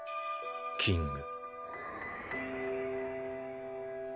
キング。